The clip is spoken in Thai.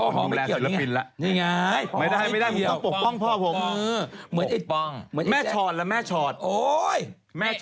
พ่อฮไม่เกี่ยวแบบนี้ไงนี่ไงพ่อฮไม่ได้ต้องปกป้องพ่อผมแม่ชอตล่ะแม่ชอต